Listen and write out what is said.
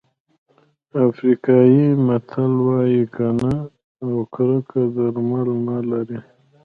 افریقایي متل وایي کینه او کرکه درمل نه لري.